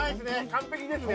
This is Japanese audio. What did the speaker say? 完璧ですね。